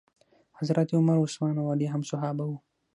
حضرت عمر، عثمان او علی هم صحابه وو.